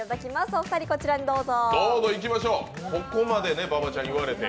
お二人、こちらにどうぞ。